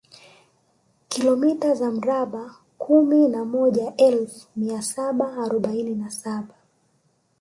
Kilomita za mraba kumi na moja elfu mia saba arobaini na saba